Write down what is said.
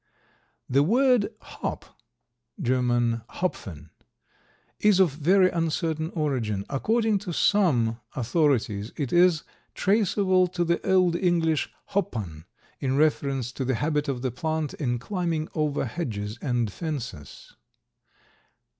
The word hop (German, Hopfen) is of very uncertain origin. According to some authorities it is traceable to the old English, hoppan, in reference to the habit of the plant in climbing over hedges and fences.